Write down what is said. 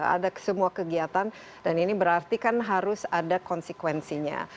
ada semua kegiatan dan ini berarti kan harus ada konsekuensinya